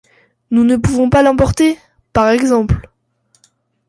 Nous ne pouvons pas l’emporter ? par exemple !